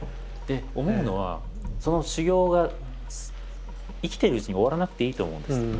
思うのはその修業が生きているうちに終わらなくていいと思うんです。